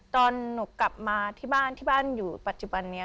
ตอนหนูกลับมาที่บ้านที่บ้านอยู่ปัจจุบันนี้